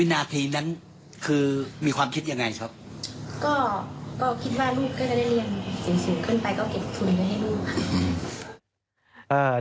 นาทีนั้นคือมีความคิดยังไงครับก็คิดว่าลูกก็จะได้เรียนสูงขึ้นไปก็เก็บทุนไว้ให้ลูกค่ะ